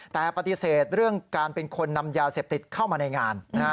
แต่ปฏิเสธเรื่องการเป็นคนนำยาเสพติดเข้ามาในงาน